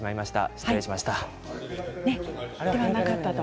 失礼しました。